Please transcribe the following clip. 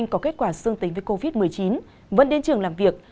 có kết quả dương tính với covid một mươi chín vẫn đến trường làm việc